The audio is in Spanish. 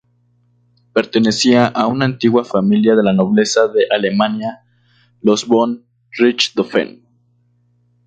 Pertenecía a una antigua familia de la nobleza de Alemania: los von Richthofen.